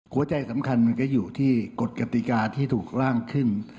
หัวใจสำคัญมันก็อยู่ที่กฎกติกาที่ถูกร่างขึ้น